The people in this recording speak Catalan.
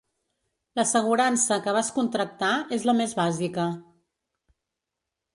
L'assegurança que vas contractar és la més bàsica.